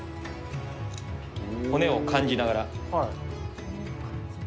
骨を感じながら。